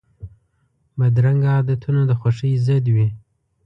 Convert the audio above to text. بدرنګه عادتونه د خوښۍ ضد وي